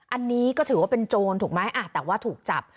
อันนี้ก็ถือว่าเป็นโจรถูกไหมแต่ว่าถูกจับ